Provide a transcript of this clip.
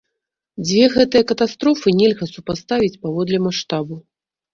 Дзве гэтыя катастрофы нельга супаставіць паводле маштабу.